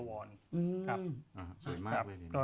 สวยมากเลย